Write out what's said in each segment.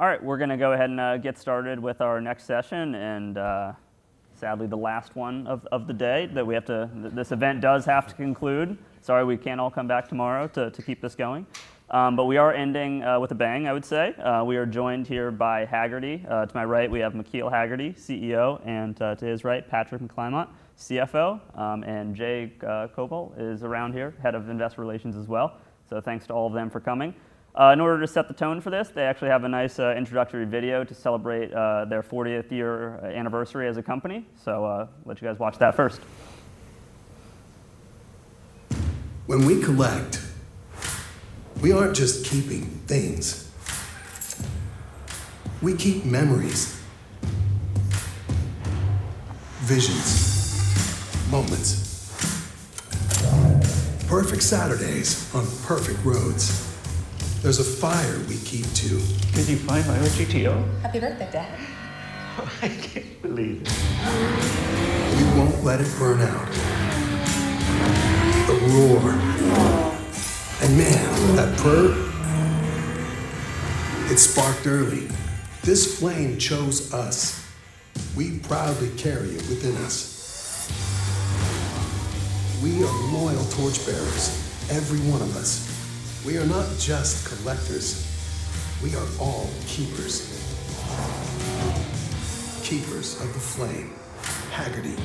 All right, we're gonna go ahead and get started with our next session, and sadly, the last one of the day that we have to. This event does have to conclude. Sorry, we can't all come back tomorrow to keep this going. But we are ending with a bang, I would say. We are joined here by Hagerty. To my right, we have McKeel Hagerty, CEO, and to his right, Patrick McClymont, CFO. And Jay Coble is around here, Head of Investor Relations as well. So thanks to all of them for coming. In order to set the tone for this, they actually have a nice introductory video to celebrate their fortieth-year anniversary as a company. So let you guys watch that first. When we collect, we aren't just keeping things. We keep memories, visions, moments. Perfect Saturdays on perfect roads. There's a fire we keep, too. Did you find my GTO? Happy birthday, Dad. I can't believe it. We won't let it burn out. The roar, and, man, that purr, it sparked early. This flame chose us. We proudly carry it within us. We are loyal torchbearers, every one of us. We are not just collectors, we are all keepers. Keepers of the flame. Hagerty.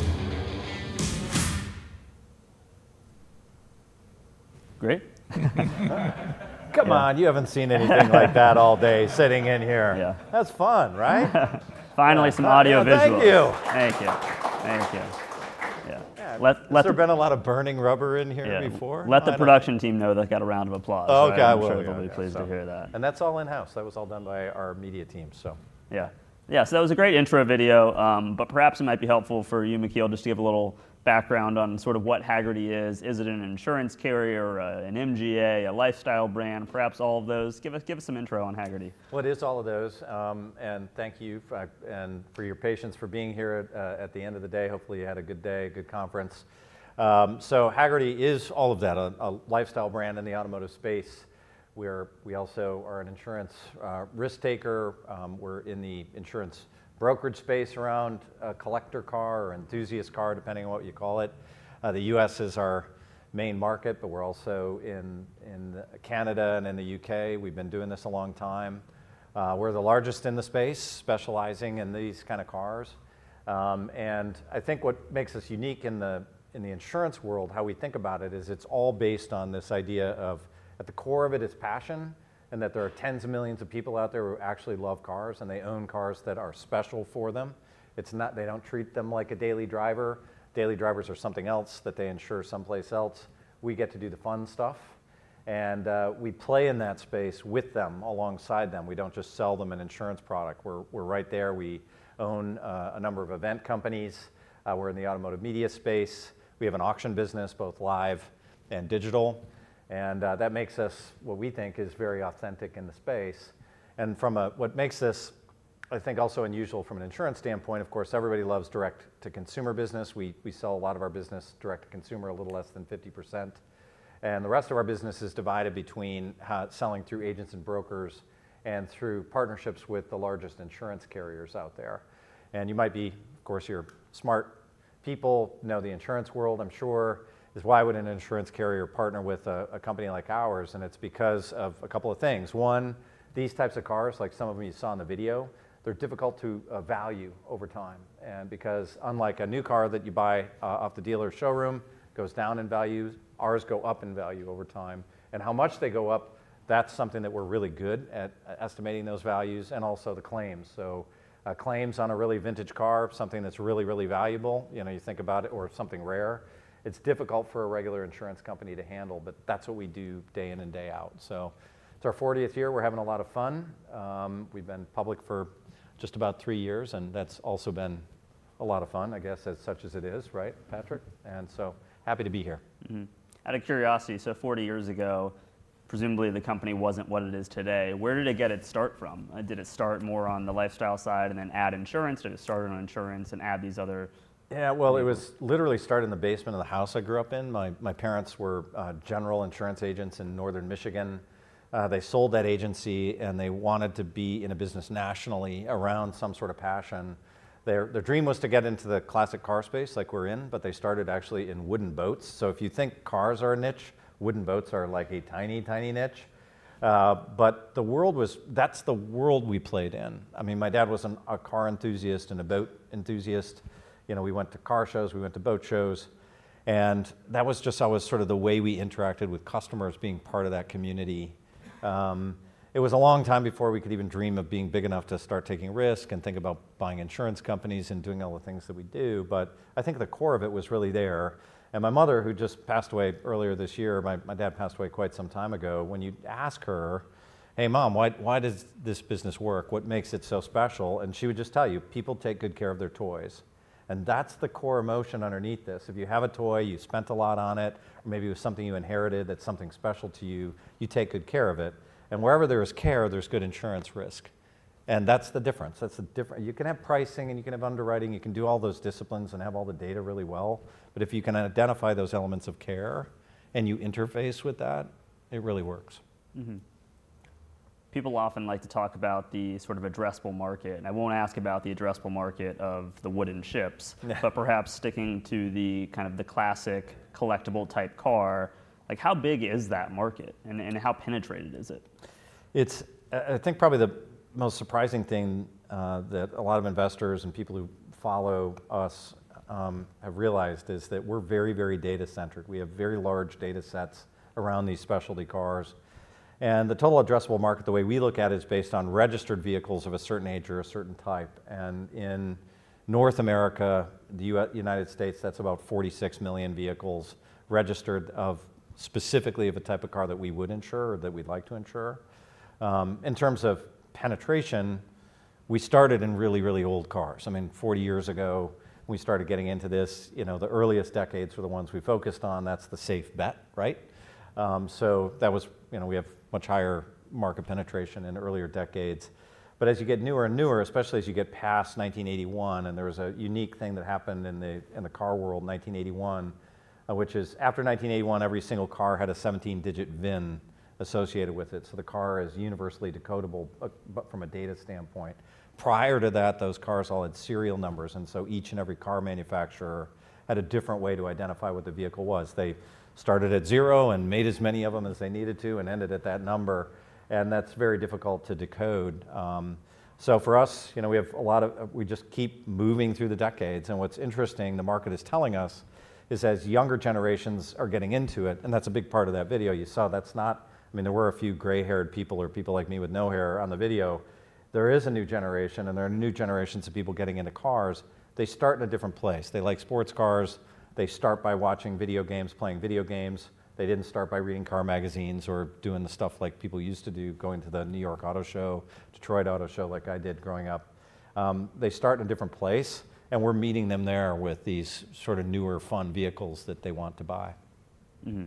Great. Come on, you haven't seen anything like that all day, sitting in here. Yeah. That's fun, right? Finally, some audio visual. Thank you! Thank you. Yeah. Let the- Has there been a lot of burning rubber in here before? Let the production team know that got a round of applause. Oh, God, well, yeah. I'm sure they'll be pleased to hear that. And that's all in-house. That was all done by our media team, so... Yeah. Yeah, so that was a great intro video, but perhaps it might be helpful for you, McKeel, just to give a little background on sort of what Hagerty is. Is it an insurance carrier, an MGA, a lifestyle brand, perhaps all of those? Give us some intro on Hagerty. Well, it is all of those, and thank you for your patience for being here at the end of the day. Hopefully, you had a good day, a good conference. Hagerty is all of that, a lifestyle brand in the automotive space, where we also are an insurance risk taker. We're in the insurance brokerage space around collector car or enthusiast car, depending on what you call it. The U.S. is our main market, but we're also in Canada and in the U.K. We've been doing this a long time. We're the largest in the space, specializing in these kind of cars. I think what makes us unique in the insurance world, how we think about it, is it's all based on this idea of at the core of it, is passion, and that there are tens of millions of people out there who actually love cars, and they own cars that are special for them. It's not. They don't treat them like a daily driver. Daily drivers are something else that they insure someplace else. We get to do the fun stuff, and we play in that space with them, alongside them. We don't just sell them an insurance product. We're right there. We own a number of event companies. We're in the automotive media space. We have an auction business, both live and digital, and that makes us, what we think is very authentic in the space. What makes this, I think, also unusual from an insurance standpoint, of course, everybody loves direct-to-consumer business. We sell a lot of our business direct to consumer, a little less than 50%, and the rest of our business is divided between selling through agents and brokers and through partnerships with the largest insurance carriers out there. And you might be, of course, you're smart people, know the insurance world, I'm sure. Why would an insurance carrier partner with a company like ours? And it's because of a couple of things. One, these types of cars, like some of you saw in the video, they're difficult to value over time. And because unlike a new car that you buy off the dealer's showroom, goes down in values, ours go up in value over time. And how much they go up, that's something that we're really good at, at estimating those values and also the claims. So, claims on a really vintage car, something that's really, really valuable, you know, you think about it, or something rare, it's difficult for a regular insurance company to handle, but that's what we do day in and day out. So it's our fortieth year. We're having a lot of fun. We've been public for just about three years, and that's also been a lot of fun, I guess, as such as it is, right, Patrick? And so, happy to be here. Mm-hmm. Out of curiosity, so forty years ago, presumably the company wasn't what it is today. Where did it get its start from? Did it start more on the lifestyle side and then add insurance, or did it start on insurance and add these other- Yeah, well, it was literally started in the basement of the house I grew up in. My parents were general insurance agents in Northern Michigan. They sold that agency, and they wanted to be in a business nationally around some sort of passion. Their dream was to get into the classic car space like we're in, but they started actually in wooden boats. So if you think cars are a niche, wooden boats are like a tiny, tiny niche. But the world was. That's the world we played in. I mean, my dad was a car enthusiast and a boat enthusiast. You know, we went to car shows, we went to boat shows, and that was just always sort of the way we interacted with customers, being part of that community. It was a long time before we could even dream of being big enough to start taking risk and think about buying insurance companies and doing all the things that we do. But I think the core of it was really there. And my mother, who just passed away earlier this year, my dad passed away quite some time ago. When you'd ask her: "Hey, Mom, why does this business work? What makes it so special?" And she would just tell you, "People take good care of their toys." And that's the core emotion underneath this. If you have a toy, you spent a lot on it, maybe it was something you inherited, that's something special to you, you take good care of it. And wherever there is care, there's good insurance risk, and that's the difference. That's the difference. You can have pricing and you can have underwriting, you can do all those disciplines and have all the data really well, but if you can identify those elements of care and you interface with that, it really works. Mm-hmm. People often like to talk about the sort of addressable market, and I won't ask about the addressable market of the wooden ships. But perhaps sticking to the kind of the classic collectible-type car, like, how big is that market, and how penetrated is it? It's, I think probably the most surprising thing, that a lot of investors and people who follow us have realized, is that we're very, very data-centric. We have very large data sets around these specialty cars, and the total addressable market, the way we look at it, is based on registered vehicles of a certain age or a certain type. And in North America, the United States, that's about 46 million vehicles registered, specifically of a type of car that we would insure or that we'd like to insure. In terms of penetration, we started in really, really old cars. I mean, 40 years ago, we started getting into this. You know, the earliest decades were the ones we focused on, that's the safe bet, right? So you know, we have much higher market penetration in the earlier decades. But as you get newer and newer, especially as you get past 1981, and there was a unique thing that happened in the car world in 1981, which is, after 1981, every single car had a 17-digit VIN associated with it, so the car is universally decodable, but from a data standpoint. Prior to that, those cars all had serial numbers, and so each and every car manufacturer had a different way to identify what the vehicle was. They started at zero and made as many of them as they needed to and ended at that number, and that's very difficult to decode. So for us, you know, we have a lot of, we just keep moving through the decades. What's interesting, the market is telling us, is as younger generations are getting into it, and that's a big part of that video you saw, that's not... I mean, there were a few gray-haired people or people like me with no hair on the video. There is a new generation, and there are new generations of people getting into cars. They start in a different place. They like sports cars. They start by watching video games, playing video games. They didn't start by reading car magazines or doing the stuff like people used to do, going to the New York Auto Show, Detroit Auto Show, like I did growing up. They start in a different place, and we're meeting them there with these sort of newer, fun vehicles that they want to buy. Mm-hmm.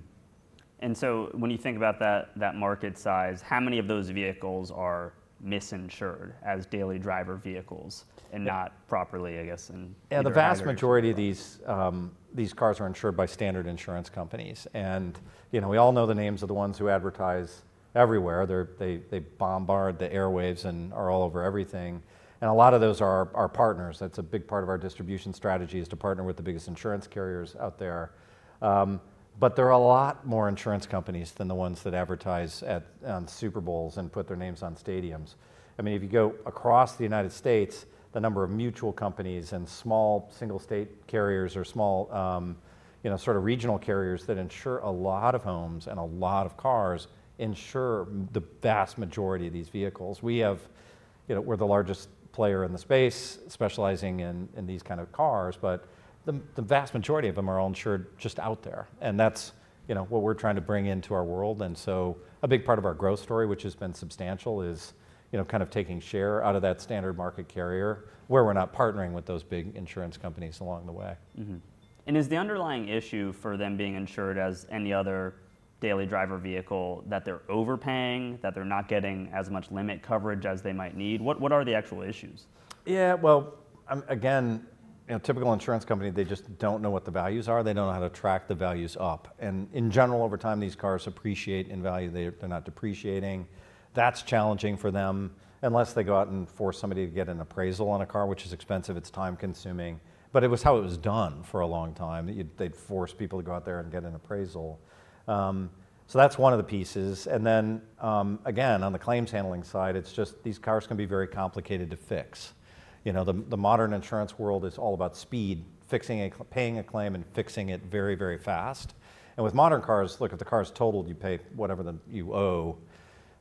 And so when you think about that, that market size, how many of those vehicles are mis-insured as daily driver vehicles? Yeah... and not properly, I guess, and- Yeah, the vast majority of these cars are insured by standard insurance companies. And, you know, we all know the names of the ones who advertise everywhere. They bombard the airwaves and are all over everything, and a lot of those are our partners. That's a big part of our distribution strategy, is to partner with the biggest insurance carriers out there. But there are a lot more insurance companies than the ones that advertise at, on Super Bowls and put their names on stadiums. I mean, if you go across the United States, the number of mutual companies and small, single-state carriers or small, you know, sort of regional carriers that insure a lot of homes and a lot of cars, insure the vast majority of these vehicles. We have... You know, we're the largest player in the space, specializing in these kind of cars, but the vast majority of them are all insured just out there, and that's, you know, what we're trying to bring into our world, and so a big part of our growth story, which has been substantial, is, you know, kind of taking share out of that standard market carrier, where we're not partnering with those big insurance companies along the way. Mm-hmm. And is the underlying issue for them being insured as any other daily driver vehicle, that they're overpaying, that they're not getting as much limit coverage as they might need? What are the actual issues? Yeah, well, again, you know, a typical insurance company, they just don't know what the values are. They don't know how to track the values up, and in general, over time, these cars appreciate in value. They're not depreciating. That's challenging for them, unless they go out and force somebody to get an appraisal on a car, which is expensive, it's time-consuming, but it was how it was done for a long time, they'd force people to go out there and get an appraisal, so that's one of the pieces, and then, again, on the claims handling side, it's just these cars can be very complicated to fix. You know, the modern insurance world is all about speed: fixing, paying a claim and fixing it very, very fast, and with modern cars, look, if the car is totaled, you pay whatever the... You owe.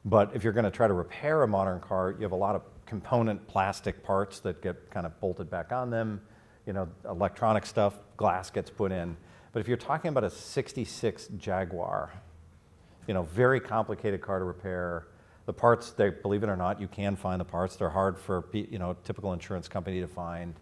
But if you're gonna try to repair a modern car, you have a lot of component plastic parts that get kind of bolted back on them, you know, electronic stuff, glass gets put in. But if you're talking about a '66 Jaguar, you know, very complicated car to repair, the parts, believe it or not, you can find the parts. They're hard for you know, a typical insurance company to find.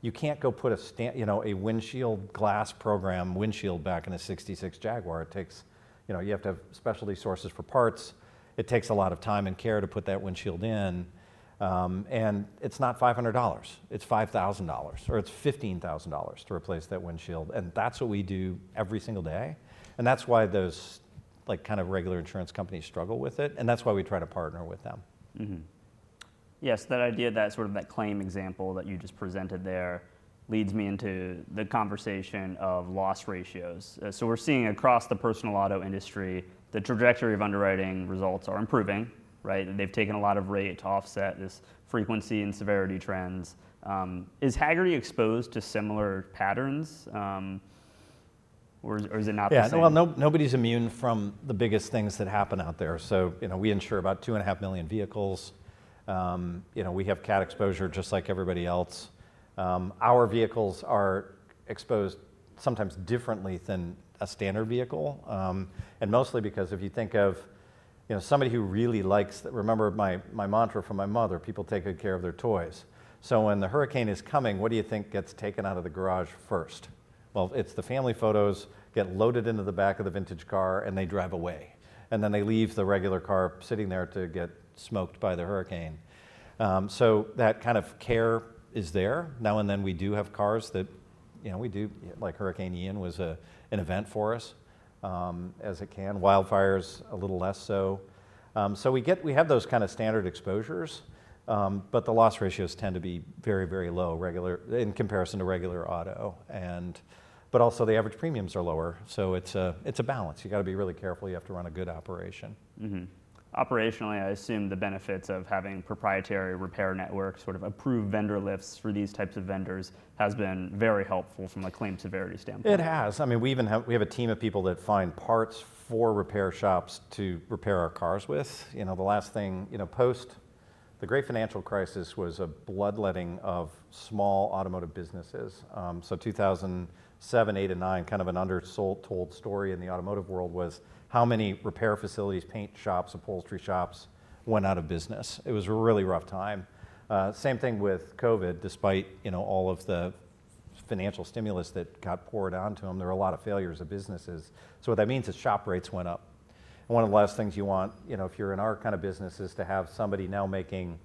You can't go put a you know, a windshield glass program, windshield back in a '66 Jaguar. It takes you know, you have to have specialty sources for parts. It takes a lot of time and care to put that windshield in, and it's not $500, it's $5,000, or it's $15,000 to replace that windshield, and that's what we do every single day. That's why those, like, kind of regular insurance companies struggle with it, and that's why we try to partner with them. Mm-hmm. Yes, that idea, that sort of that claim example that you just presented there, leads me into the conversation of loss ratios. So we're seeing across the personal auto industry, the trajectory of underwriting results are improving, right? They've taken a lot of rate to offset this frequency and severity trends. Is Hagerty exposed to similar patterns, or is it not the same? Yeah. Well, nobody's immune from the biggest things that happen out there. So, you know, we insure about 2.5 million vehicles. You know, we have cat exposure just like everybody else. Our vehicles are exposed sometimes differently than a standard vehicle, and mostly because if you think of, you know, somebody who really likes... Remember my mantra from my mother: "People take good care of their toys." So when the hurricane is coming, what do you think gets taken out of the garage first? Well, it's the family photos get loaded into the back of the vintage car, and they drive away, and then they leave the regular car sitting there to get smoked by the hurricane. So that kind of care is there. Now and then, we do have cars that, you know, we do... Like, Hurricane Ian was an event for us, as it can. Wildfires, a little less so. So we have those kind of standard exposures, but the loss ratios tend to be very, very low, regular, in comparison to regular auto. And, but also the average premiums are lower, so it's a balance. You've got to be really careful, you have to run a good operation. Mm-hmm. Operationally, I assume the benefits of having proprietary repair networks, sort of approved vendor lists for these types of vendors, has been very helpful from a claim severity standpoint. It has. I mean, we even have, we have a team of people that find parts for repair shops to repair our cars with. You know, the last thing, you know, post the great financial crisis was a bloodletting of small automotive businesses, so 2007, 2008, and 2009, kind of an undersold, told story in the automotive world was how many repair facilities, paint shops, upholstery shops, went out of business. It was a really rough time. Same thing with COVID, despite, you know, all of the financial stimulus that got poured onto them, there were a lot of failures of businesses. So what that means is shop rates went up, and one of the last things you want, you know, if you're in our kind of business, is to have somebody now making, you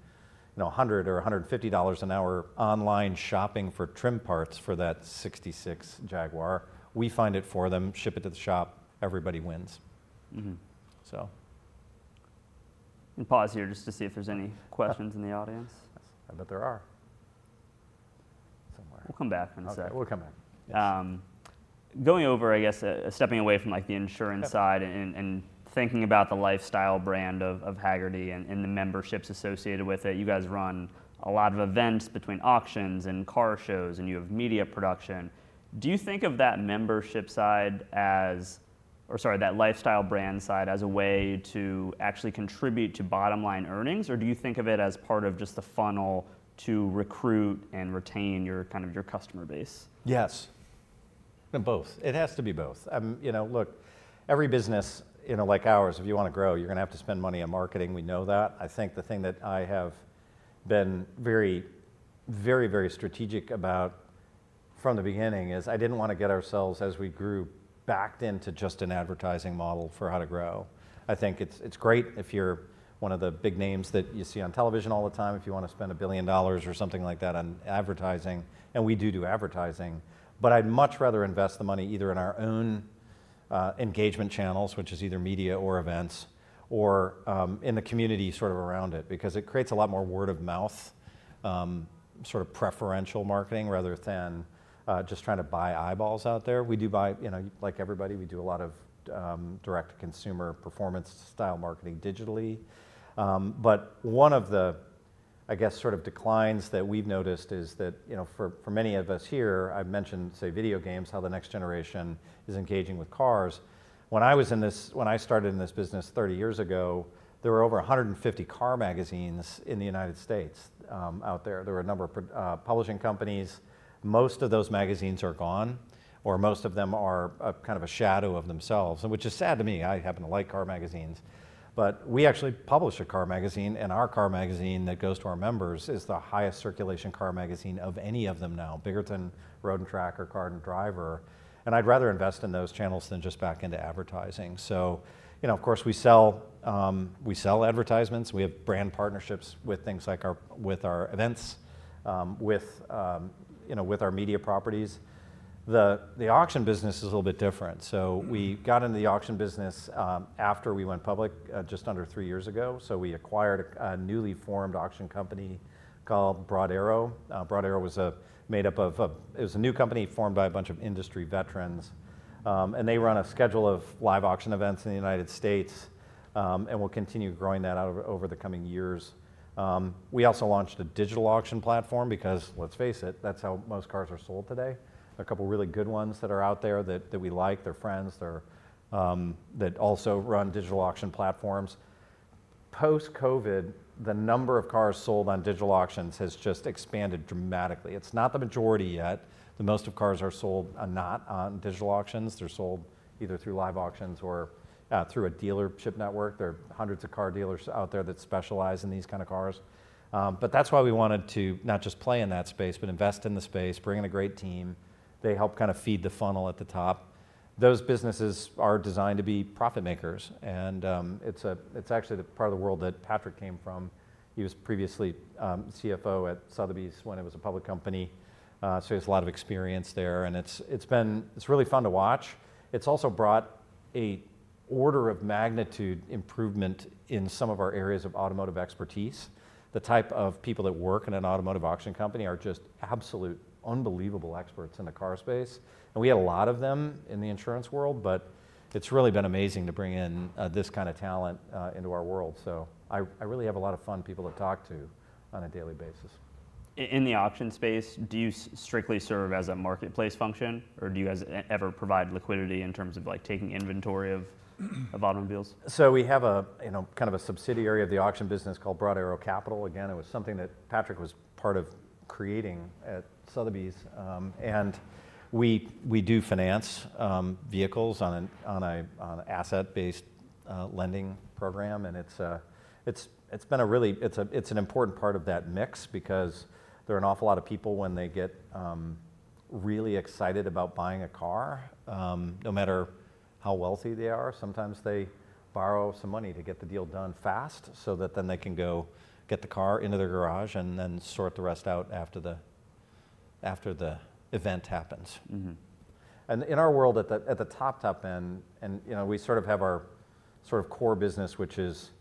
know, $100 or $150 an hour online shopping for trim parts for that '66 Jaguar. We find it for them, ship it to the shop, everybody wins. Mm-hmm. So. I'm going to pause here just to see if there's any questions in the audience. I bet there are, somewhere. We'll come back in a second. Okay, we'll come back. Yes. Going over, I guess, stepping away from, like, the insurance- Okay... side and thinking about the lifestyle brand of Hagerty and the memberships associated with it. You guys run a lot of events between auctions and car shows, and you have media production. Do you think of that membership side as... Or sorry, that lifestyle brand side as a way to actually contribute to bottom line earnings? Or do you think of it as part of just the funnel to recruit and retain your, kind of your customer base? Yes. Both. It has to be both. You know, look, every business, you know, like ours, if you want to grow, you're going to have to spend money on marketing, we know that. I think the thing that I have been very, very, very strategic about from the beginning is, I didn't want to get ourselves, as we grew, backed into just an advertising model for how to grow. I think it's, it's great if you're one of the big names that you see on television all the time, if you want to spend $1 billion or something like that on advertising, and we do, do advertising. But I'd much rather invest the money either in our own engagement channels, which is either media or events, or in the community sort of around it, because it creates a lot more word-of-mouth sort of preferential marketing, rather than just trying to buy eyeballs out there. We do buy, you know, like everybody, we do a lot of direct-to-consumer, performance-style marketing digitally. But one of the, I guess, sort of declines that we've noticed is that, you know, for many of us here, I've mentioned, say, video games, how the next generation is engaging with cars. When I started in this business thirty years ago, there were over 150 car magazines in the United States, out there. There were a number of publishing companies. Most of those magazines are gone, or most of them are kind of a shadow of themselves, and which is sad to me. I happen to like car magazines. But we actually publish a car magazine, and our car magazine that goes to our members is the highest circulation car magazine of any of them now, bigger than Road & Track or Car and Driver, and I'd rather invest in those channels than just back into advertising. So, you know, of course we sell, we sell advertisements. We have brand partnerships with things like our, with our events, with, you know, with our media properties. The auction business is a little bit different. So we got in the auction business, after we went public, just under three years ago. So we acquired a newly formed auction company called Broad Arrow. Broad Arrow was a new company formed by a bunch of industry veterans, and they run a schedule of live auction events in the United States, and we'll continue growing that out over the coming years. We also launched a digital auction platform because, let's face it, that's how most cars are sold today. A couple of really good ones that are out there that we like, they're friends, they're that also run digital auction platforms. Post-COVID, the number of cars sold on digital auctions has just expanded dramatically. It's not the majority yet, the most of cars are sold are not on digital auctions, they're sold either through live auctions or through a dealership network. There are hundreds of car dealers out there that specialize in these kind of cars. But that's why we wanted to not just play in that space, but invest in the space, bring in a great team. They help kind of feed the funnel at the top. Those businesses are designed to be profit makers, and it's actually the part of the world that Patrick came from. He was previously CFO at Sotheby's when it was a public company, so he has a lot of experience there, and it's been really fun to watch. It's also brought an order of magnitude improvement in some of our areas of automotive expertise. The type of people that work in an automotive auction company are just absolute, unbelievable experts in the car space, and we had a lot of them in the insurance world, but it's really been amazing to bring in this kind of talent into our world. So I really have a lot of fun people to talk to on a daily basis. In the auction space, do you strictly serve as a marketplace function, or do you guys ever provide liquidity in terms of, like, taking inventory of automobiles? So we have a, you know, kind of a subsidiary of the auction business called Broad Arrow Capital. Again, it was something that Patrick was part of creating at Sotheby's, and we do finance vehicles on an asset-based lending program, and it's been a really. It's an important part of that mix because there are an awful lot of people when they get really excited about buying a car, no matter how wealthy they are, sometimes they borrow some money to get the deal done fast, so that then they can go get the car into their garage, and then sort the rest out after the-... after the event happens. Mm-hmm. And in our world, at the top end, you know, we sort of have our sort of core business, which is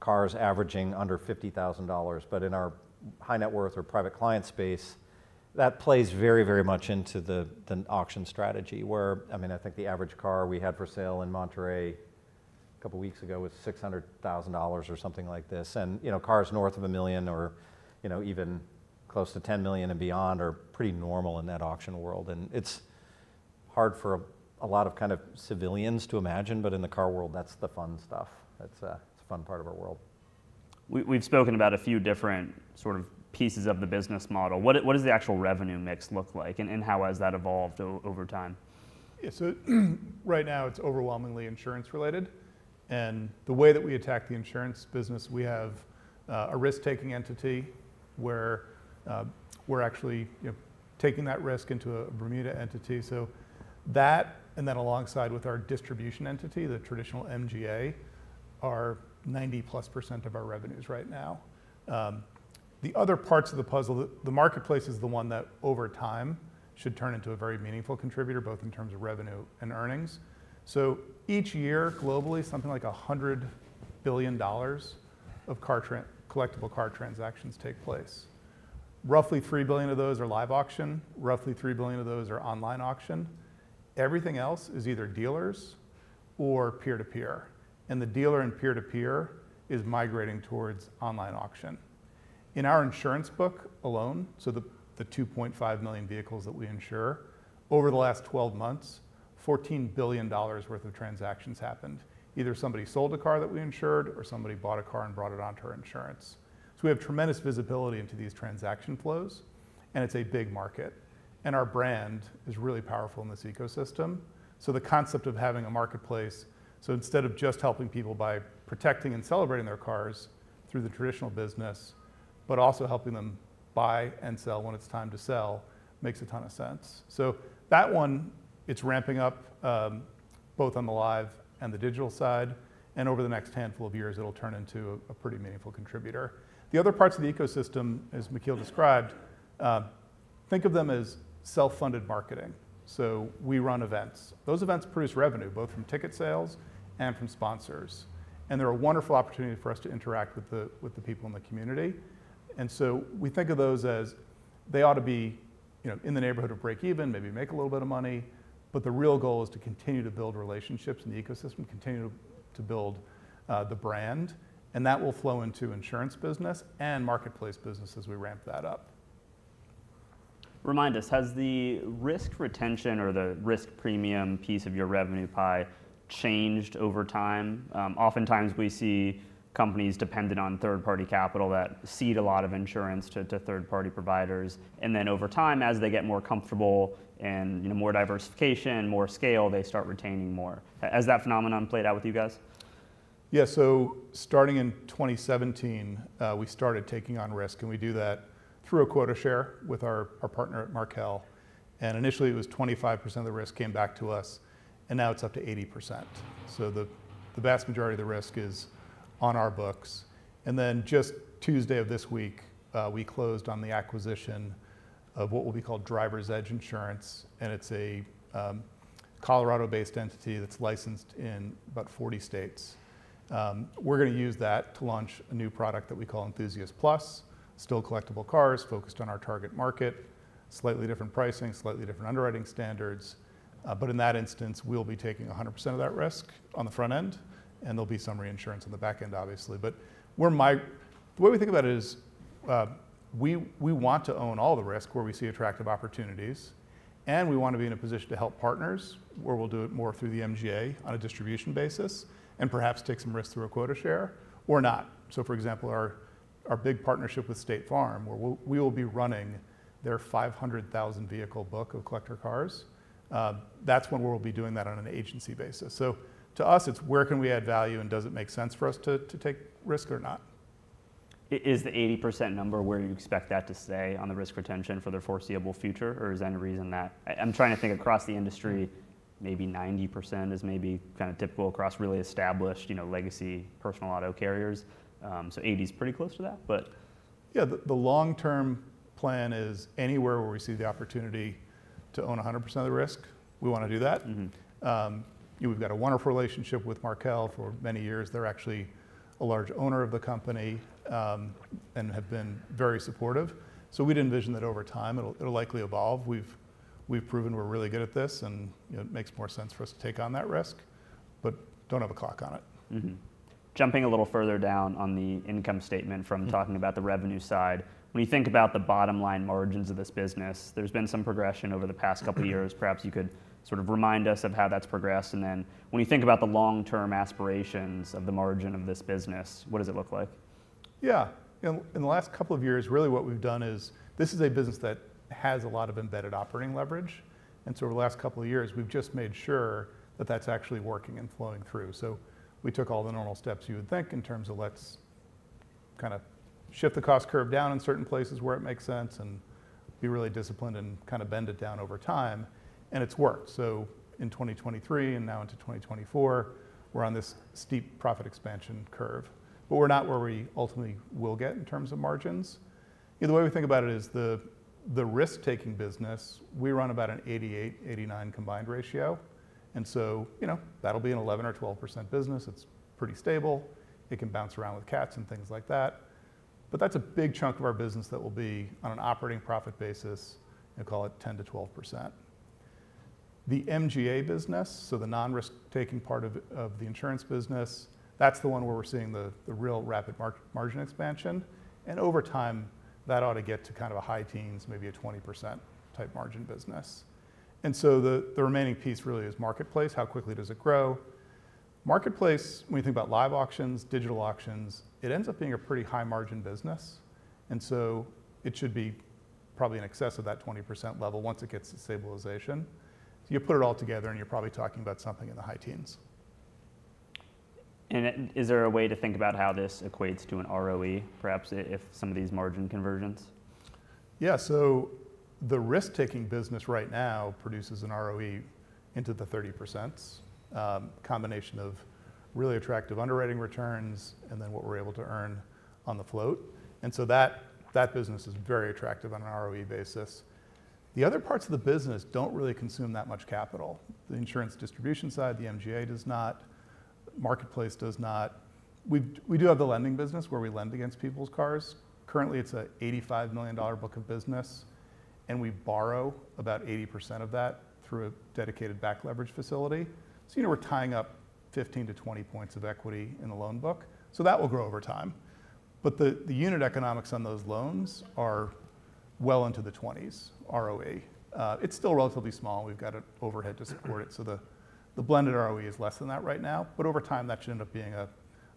cars averaging under $50,000, but in our high net worth or private client space, that plays very, very much into the auction strategy, where, I mean, I think the average car we had for sale in Monterey a couple weeks ago was $600,000 or something like this. And, you know, cars north of $1 million or, you know, even close to $10 million and beyond are pretty normal in that auction world. And it's hard for a lot of kind of civilians to imagine, but in the car world, that's the fun stuff. That's, it's a fun part of our world. We've spoken about a few different sort of pieces of the business model. What does the actual revenue mix look like, and how has that evolved over time? Yeah. So right now, it's overwhelmingly insurance-related, and the way that we attack the insurance business, we have a risk-taking entity, where we're actually, you know, taking that risk into a Bermuda entity. So that, and then alongside with our distribution entity, the traditional MGA, are 90-plus% of our revenues right now. The other parts of the puzzle, the marketplace is the one that, over time, should turn into a very meaningful contributor, both in terms of revenue and earnings. So each year, globally, something like $100 billion of collectible car transactions take place. Roughly $3 billion of those are live auction, roughly $3 billion of those are online auction. Everything else is either dealers or peer-to-peer, and the dealer and peer-to-peer is migrating towards online auction. In our insurance book alone, so the 2.5 million vehicles that we insure, over the last 12 months, $14 billion worth of transactions happened. Either somebody sold a car that we insured, or somebody bought a car and brought it onto our insurance. So we have tremendous visibility into these transaction flows, and it's a big market, and our brand is really powerful in this ecosystem. So the concept of having a marketplace, so instead of just helping people by protecting and celebrating their cars through the traditional business, but also helping them buy and sell when it's time to sell, makes a ton of sense. So that one, it's ramping up, both on the live and the digital side, and over the next handful of years, it'll turn into a pretty meaningful contributor. The other parts of the ecosystem, as MicKeel described, think of them as self-funded marketing. So we run events. Those events produce revenue, both from ticket sales and from sponsors, and they're a wonderful opportunity for us to interact with the people in the community. And so we think of those as they ought to be, you know, in the neighborhood of break even, maybe make a little bit of money, but the real goal is to continue to build relationships in the ecosystem, continue to build the brand, and that will flow into insurance business and marketplace business as we ramp that up. Remind us, has the risk retention or the risk premium piece of your revenue pie changed over time? Oftentimes, we see companies dependent on third-party capital that cede a lot of insurance to third-party providers, and then over time, as they get more comfortable and, you know, more diversification, more scale, they start retaining more. Has that phenomenon played out with you guys? Yeah, so starting in 2017, we started taking on risk, and we do that through a quota share with our partner at Markel. And initially, it was 25% of the risk came back to us, and now it's up to 80%. So the vast majority of the risk is on our books. And then just Tuesday of this week, we closed on the acquisition of what will be called Drivers Edge Insurance, and it's a Colorado-based entity that's licensed in about 40 states. We're gonna use that to launch a new product that we call Enthusiast Plus. Still collectible cars, focused on our target market, slightly different pricing, slightly different underwriting standards, but in that instance, we'll be taking 100% of that risk on the front end, and there'll be some reinsurance on the back end, obviously. The way we think about it is, we want to own all the risk where we see attractive opportunities, and we want to be in a position to help partners, where we'll do it more through the MGA on a distribution basis, and perhaps take some risks through a quota share or not. So, for example, our big partnership with State Farm, where we will be running their five hundred thousand vehicle book of collector cars, that's when we'll be doing that on an agency basis. So to us, it's where can we add value, and does it make sense for us to take risk or not? Is the 80% number where you expect that to stay on the risk retention for the foreseeable future, or is there any reason that... I, I'm trying to think across the industry, maybe 90% is maybe kind of typical across really established, you know, legacy personal auto carriers. So 80% is pretty close to that, but- Yeah, the long-term plan is anywhere where we see the opportunity to own 100% of the risk, we wanna do that. Mm-hmm. We've got a wonderful relationship with Markel for many years. They're actually a large owner of the company, and have been very supportive. So we'd envision that over time, it'll likely evolve. We've proven we're really good at this, and, you know, it makes more sense for us to take on that risk, but don't have a clock on it. Mm-hmm. Jumping a little further down on the income statement from- Mm-hmm... talking about the revenue side, when you think about the bottom line margins of this business, there's been some progression over the past couple of years. Mm-hmm. Perhaps you could sort of remind us of how that's progressed, and then when you think about the long-term aspirations of the margin of this business, what does it look like? Yeah. In the last couple of years, really what we've done is, this is a business that has a lot of embedded operating leverage, and so over the last couple of years, we've just made sure that that's actually working and flowing through. So we took all the normal steps you would think in terms of let's kind of shift the cost curve down in certain places where it makes sense and be really disciplined and kind of bend it down over time, and it's worked. So in 2023, and now into 2024, we're on this steep profit expansion curve, but we're not where we ultimately will get in terms of margins. You know, the way we think about it is the risk-taking business, we run about an 88-89 combined ratio, and so, you know, that'll be an 11% or 12% business. It's pretty stable. It can bounce around with cats and things like that, but that's a big chunk of our business that will be on an operating profit basis. I call it 10%-12%. The MGA business, so the non-risk-taking part of the insurance business, that's the one where we're seeing the real rapid margin expansion, and over time, that ought to get to kind of a high teens %, maybe a 20% type margin business, and so the remaining piece really is marketplace. How quickly does it grow? Marketplace, when you think about live auctions, digital auctions, it ends up being a pretty high margin business, and so it should be probably in excess of that 20% level once it gets to stabilization. You put it all together, and you're probably talking about something in the high teens %. Is there a way to think about how this equates to an ROE, perhaps if some of these margin conversions? Yeah. So the risk-taking business right now produces an ROE into the 30%, combination of really attractive underwriting returns, and then what we're able to earn on the float, and so that, that business is very attractive on an ROE basis. The other parts of the business don't really consume that much capital. The insurance distribution side, the MGA does not, marketplace does not. We do have the lending business, where we lend against people's cars. Currently, it's a $85 million book of business, and we borrow about 80% of that through a dedicated back leverage facility. So, you know, we're tying up 15-20 points of equity in the loan book, so that will grow over time. But the unit economics on those loans are well into the twenties, ROE. It's still relatively small. We've got an overhead to support it, so the blended ROE is less than that right now, but over time, that should end up being a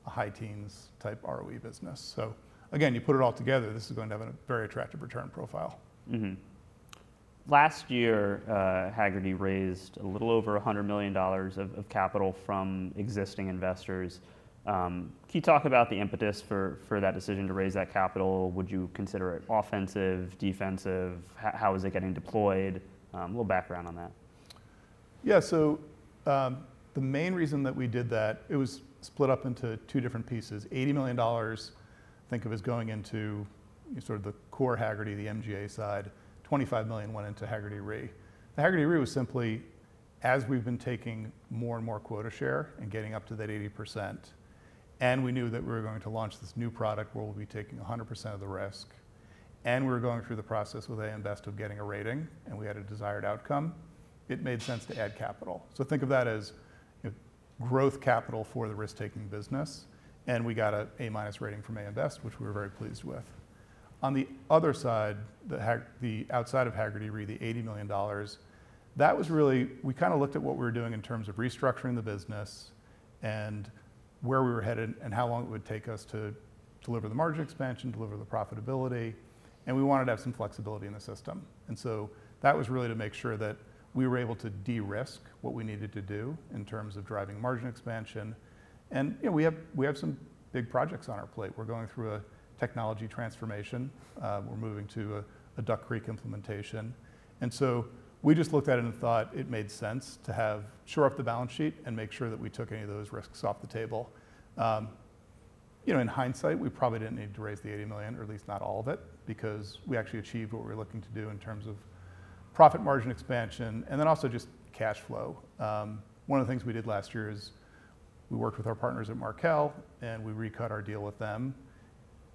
high teens type ROE business. So again, you put it all together, this is going to have a very attractive return profile. Mm-hmm. Last year, Hagerty raised a little over $100 million of capital from existing investors. Can you talk about the impetus for that decision to raise that capital? Would you consider it offensive, defensive? How is it getting deployed? A little background on that. Yeah, so the main reason that we did that, it was split up into two different pieces. $80 million, think of as going into sort of the core Hagerty, the MGA side, $25 million went into Hagerty Re. The Hagerty Re was simply as we've been taking more and more quota share and getting up to that 80%, and we knew that we were going to launch this new product where we'll be taking 100% of the risk, and we were going through the process with AM Best of getting a rating, and we had a desired outcome, it made sense to add capital. So think of that as, you know, growth capital for the risk-taking business, and we got an A-minus rating from AM Best, which we were very pleased with. On the other side, the outside of Hagerty Re, the $80 million, that was really. We kinda looked at what we were doing in terms of restructuring the business and where we were headed and how long it would take us to deliver the margin expansion, deliver the profitability, and we wanted to have some flexibility in the system. And so that was really to make sure that we were able to de-risk what we needed to do in terms of driving margin expansion. And, you know, we have some big projects on our plate. We're going through a technology transformation. We're moving to a Duck Creek implementation, and so we just looked at it and thought it made sense to have shore up the balance sheet and make sure that we took any of those risks off the table. You know, in hindsight, we probably didn't need to raise the $80 million, or at least not all of it, because we actually achieved what we were looking to do in terms of profit margin expansion and then also just cash flow. One of the things we did last year is we worked with our partners at Markel, and we recut our deal with them.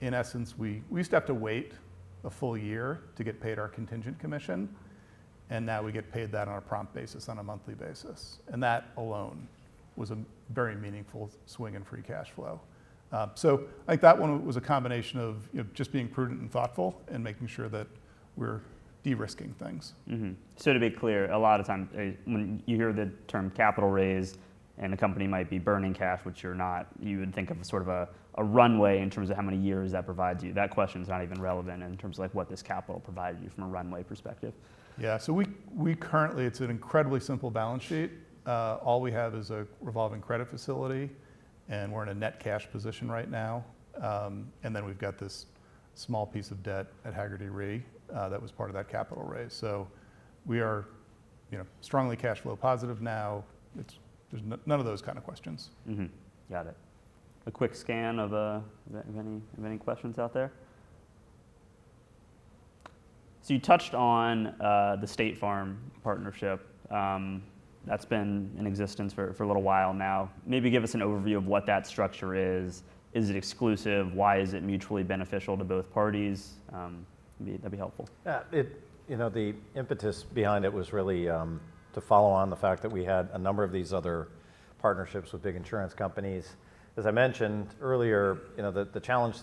In essence, we used to have to wait a full year to get paid our contingent commission, and now we get paid that on a prompt basis, on a monthly basis, and that alone was a very meaningful swing in free cash flow. So I think that one was a combination of, you know, just being prudent and thoughtful and making sure that we're de-risking things. Mm-hmm. So to be clear, a lot of time, when you hear the term capital raise and a company might be burning cash, which you're not, you would think of a sort of runway in terms of how many years that provides you. That question is not even relevant in terms of, like, what this capital provided you from a runway perspective. Yeah. So we currently, it's an incredibly simple balance sheet. All we have is a revolving credit facility, and we're in a net cash position right now. And then we've got this small piece of debt at Hagerty Re, that was part of that capital raise. So we are, you know, strongly cash flow positive now. It's. There's none of those kind of questions. Mm-hmm. Got it. A quick scan of. Do we have any questions out there? So you touched on the State Farm partnership. That's been in existence for a little while now. Maybe give us an overview of what that structure is. Is it exclusive? Why is it mutually beneficial to both parties? That'd be helpful. Yeah, you know, the impetus behind it was really to follow on the fact that we had a number of these other partnerships with big insurance companies. As I mentioned earlier, you know, the challenge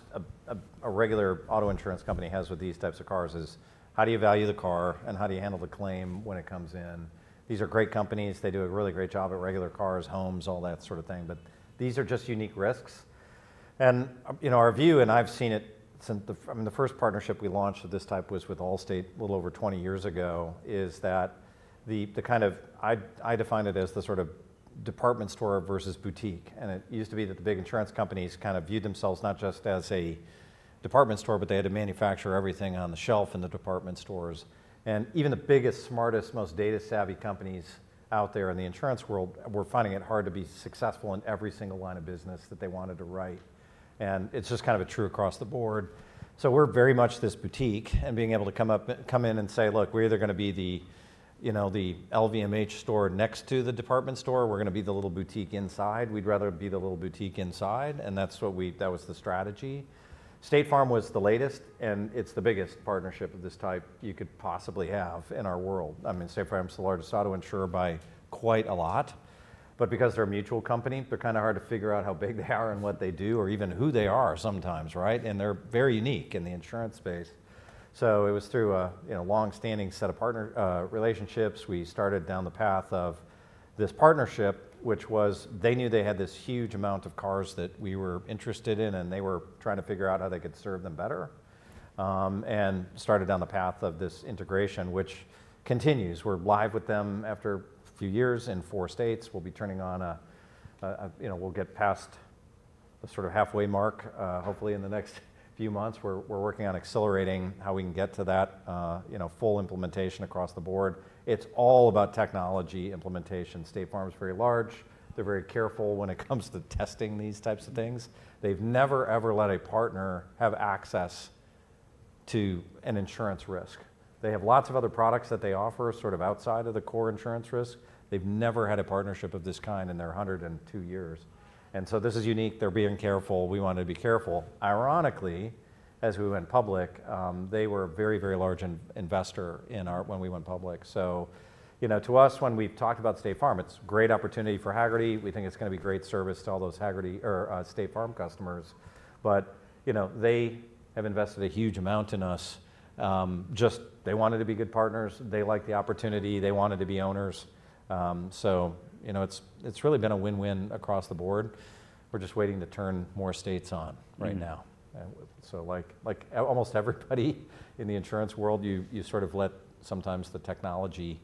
a regular auto insurance company has with these types of cars is: How do you value the car, and how do you handle the claim when it comes in? These are great companies. They do a really great job at regular cars, homes, all that sort of thing, but these are just unique risks. And, you know, our view, and I've seen it since I mean, the first partnership we launched of this type was with Allstate a little over twenty years ago, is that the kind of... I define it as the sort of department store versus boutique, and it used to be that the big insurance companies kind of viewed themselves not just as a department store, but they had to manufacture everything on the shelf in the department stores. And even the biggest, smartest, most data savvy companies out there in the insurance world were finding it hard to be successful in every single line of business that they wanted to write. And it's just kind of true across the board. So we're very much this boutique, and being able to come in and say, "Look, we're either gonna be the, you know, the LVMH store next to the department store, or we're gonna be the little boutique inside. We'd rather be the little boutique inside," and that's what we... That was the strategy. State Farm was the latest, and it's the biggest partnership of this type you could possibly have in our world. I mean, State Farm is the largest auto insurer by quite a lot, but because they're a mutual company, they're kind of hard to figure out how big they are, and what they do, or even who they are sometimes, right, and they're very unique in the insurance space. So it was through a, you know, long-standing set of partner relationships. We started down the path of this partnership, which was, they knew they had this huge amount of cars that we were interested in, and they were trying to figure out how they could serve them better, and started down the path of this integration, which continues. We're live with them after a few years in four states. We'll be turning on a, you know, we'll get past the sort of halfway mark, hopefully, in the next few months. We're working on accelerating how we can get to that, you know, full implementation across the board. It's all about technology implementation. State Farm is very large. They're very careful when it comes to testing these types of things. They've never, ever let a partner have access to an insurance risk. They have lots of other products that they offer, sort of outside of the core insurance risk. They've never had a partnership of this kind in their 102 years, and so this is unique. They're being careful. We want to be careful. Ironically, as we went public, they were a very, very large investor in our... when we went public. So, you know, to us, when we've talked about State Farm, it's a great opportunity for Hagerty. We think it's gonna be great service to all those Hagerty or State Farm customers, but, you know, they have invested a huge amount in us. Just, they wanted to be good partners, they liked the opportunity, they wanted to be owners. So, you know, it's really been a win-win across the board. We're just waiting to turn more states on right now. Mm-hmm. So, like, almost everybody in the insurance world, you sort of let sometimes the technology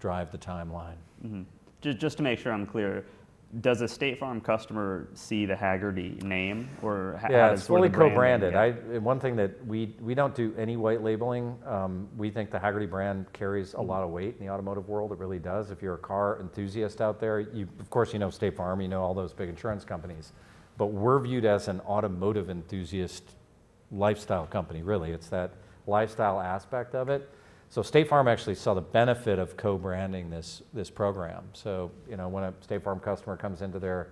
drive the timeline. Mm-hmm. Just to make sure I'm clear, does a State Farm customer see the Hagerty name or ha- Yeah. It's fully co-branded? Fully co-branded. One thing that we don't do any white labeling. We think the Hagerty brand carries- Mm... a lot of weight in the automotive world. It really does. If you're a car enthusiast out there, you, of course, you know State Farm, you know all those big insurance companies, but we're viewed as an automotive enthusiast lifestyle company, really. It's that lifestyle aspect of it. So State Farm actually saw the benefit of co-branding this program. So, you know, when a State Farm customer comes into their,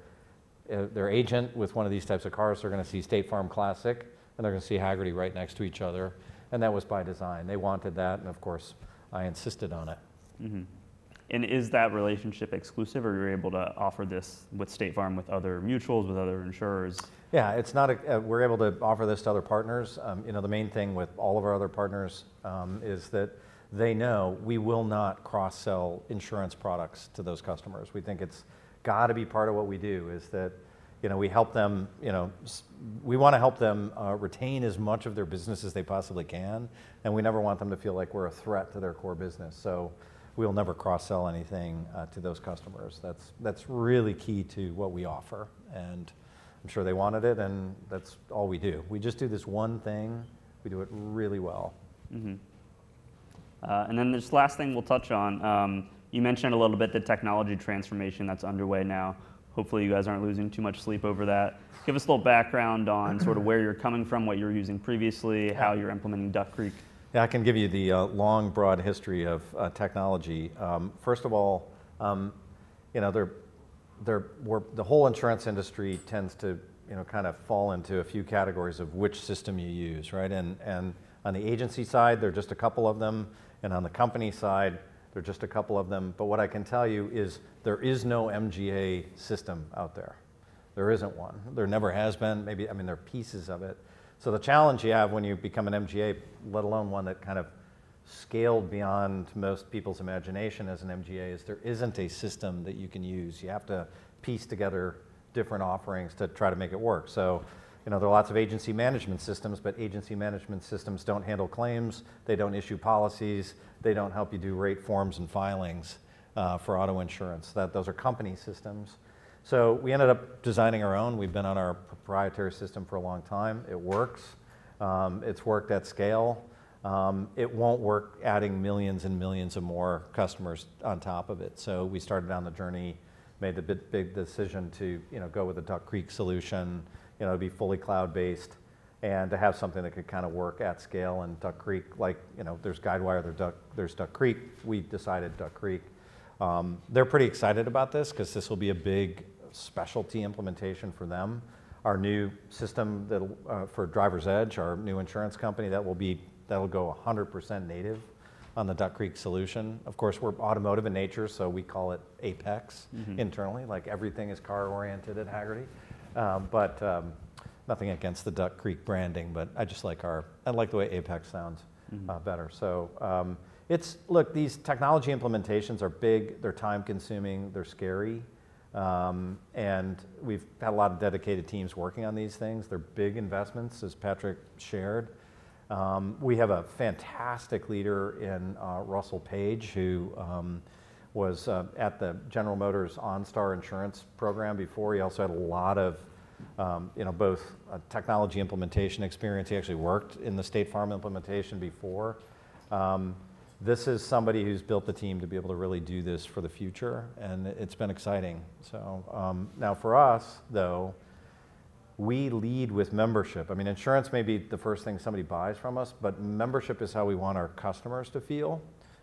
their agent with one of these types of cars, they're gonna see State Farm Classic, and they're gonna see Hagerty right next to each other, and that was by design. They wanted that, and of course, I insisted on it. Mm-hmm. And is that relationship exclusive, or you're able to offer this with State Farm, with other mutuals, with other insurers? Yeah, it's not. We're able to offer this to other partners. You know, the main thing with all of our other partners is that they know we will not cross-sell insurance products to those customers. We think it's gotta be part of what we do, is that, you know, we help them, you know, we wanna help them retain as much of their business as they possibly can, and we never want them to feel like we're a threat to their core business. So we will never cross-sell anything to those customers. That's, that's really key to what we offer, and I'm sure they wanted it, and that's all we do. We just do this one thing. We do it really well. Mm-hmm. And then this last thing we'll touch on. You mentioned a little bit the technology transformation that's underway now. Hopefully, you guys aren't losing too much sleep over that. Give us a little background on sort of where you're coming from, what you were using previously, how you're implementing Duck Creek. Yeah, I can give you the long, broad history of technology. First of all, you know, where the whole insurance industry tends to, you know, kind of fall into a few categories of which system you use, right? And on the agency side, there are just a couple of them, and on the company side, there are just a couple of them. But what I can tell you is there is no MGA system out there. There isn't one. There never has been. Maybe, I mean, there are pieces of it. So the challenge you have when you become an MGA, let alone one that kind of scaled beyond most people's imagination as an MGA, is there isn't a system that you can use. You have to piece together different offerings to try to make it work. So, you know, there are lots of agency management systems, but agency management systems don't handle claims, they don't issue policies, they don't help you do rate forms and filings for auto insurance. Those are company systems. So we ended up designing our own. We've been on our proprietary system for a long time. It works. It's worked at scale. It won't work adding millions and millions of more customers on top of it. So we started on the journey, made the big decision to, you know, go with the Duck Creek solution. You know, it'd be fully cloud-based, and to have something that could kind of work at scale. And Duck Creek, like, you know, there's Guidewire, there's Duck Creek. We decided Duck Creek. They're pretty excited about this, 'cause this will be a big specialty implementation for them. Our new system that for Driver's Edge, our new insurance company, that will go 100% native on the Duck Creek solution. Of course, we're automotive in nature, so we call it Apex- Mm-hmm... internally. Like, everything is car-oriented at Hagerty. But nothing against the Duck Creek branding, but I just like the way Apex sounds- Mm... better. Look, these technology implementations are big, they're time-consuming, they're scary, and we've had a lot of dedicated teams working on these things. They're big investments, as Patrick shared. We have a fantastic leader in Russell Page, who was at the General Motors OnStar Insurance program before. He also had a lot of, you know, both technology implementation experience. He actually worked in the State Farm implementation before. This is somebody who's built the team to be able to really do this for the future, and it's been exciting. Now for us, though, we lead with membership. I mean, insurance may be the first thing somebody buys from us, but membership is how we want our customers to feel.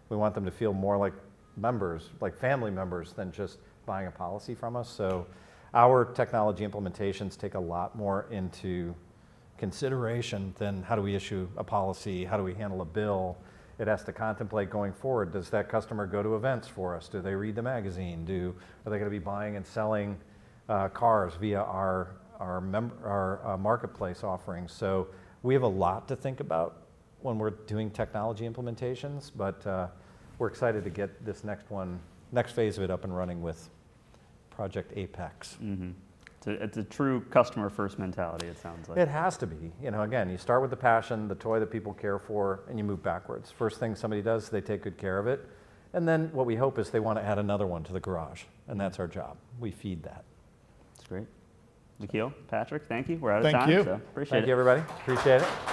We want them to feel more like members, like family members, than just buying a policy from us. So our technology implementations take a lot more into consideration than, how do we issue a policy? How do we handle a bill? It has to contemplate going forward. Does that customer go to events for us? Do they read the magazine? Do they gonna be buying and selling cars via our member marketplace offerings? So we have a lot to think about when we're doing technology implementations, but we're excited to get this next one, next phase of it up and running with Project Apex. Mm-hmm. So it's a true customer-first mentality, it sounds like. It has to be. You know, again, you start with the passion, the toy that people care for, and you move backwards. First thing somebody does, they take good care of it, and then what we hope is they want to add another one to the garage, and that's our job. We feed that. That's great. McKeel, Patrick, thank you. We're out of time. Thank you. Appreciate it. Thank you, everybody. Appreciate it.